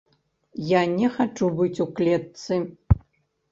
Я не хачу быць у клетцы.